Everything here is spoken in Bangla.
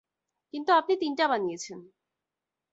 কিন্তু আপনি তিনটা বানিয়েছেন।